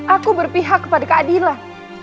aku berpihak kepada keadilan